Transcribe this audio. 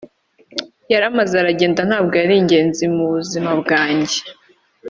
Yaramaze aragenda ntabwo yaringenzi mubuzima bwanjye